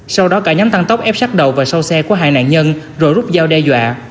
sau đó cả nhóm tăng tốc ép sát đầu và sau xe của hai nạn nhân rồi rút dao đe dọa